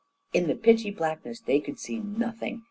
In the pitchy blackness they could see nothing.